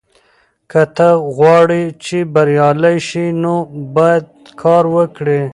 که ته غواړې چې بریالی شې نو باید کار وکړې.